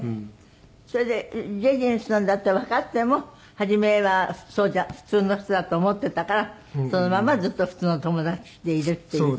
それでジェジュンさんだってわかっても初めはそうじゃ普通の人だと思ってたからそのままずっと普通の友達でいるっていう。